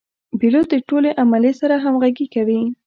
پیلوټ د ټول عملې سره همغږي کوي.